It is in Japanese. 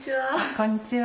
こんにちは。